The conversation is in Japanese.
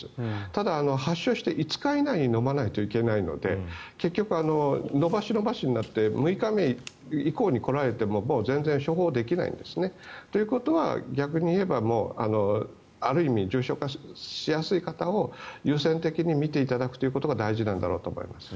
ただ、発症して５日以内に飲まないといけないので結局、延ばし延ばしになって６日目以降に来られても全然処方できないんですね。ということは逆に言えばある意味、重症化しやすい方を優先的に診ていただくことが大事なんだろうと思います。